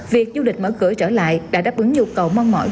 việc du lịch mở cửa trở lại đã đáp ứng nhu cầu mong mỏi